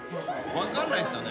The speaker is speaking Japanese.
分かんないっすよね